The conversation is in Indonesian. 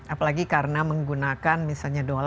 apalagi karena menggunakan misalnya dolar